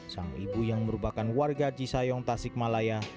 sang ibu yang merupakan warga jisayong tasik malaya